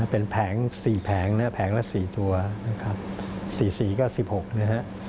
เป็นแผง๔แผงนะแผงละ๔ตัวนะครับ๔๔ก็๑๖นะฮะ